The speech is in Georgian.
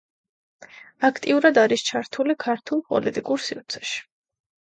აქტიურად არის ჩართული ქართულ პოლიტიკურ სივრცეში.